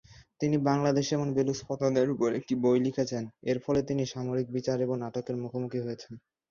তিনি বাংলাদেশ এবং বেলুচ পতনের উপর একটি বই লিখেছেন, এর ফলে তিনি সামরিক বিচার এবং আটকের মুখোমুখি হয়েছেন।